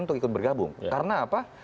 untuk ikut bergabung karena apa